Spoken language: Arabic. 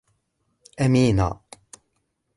أمينة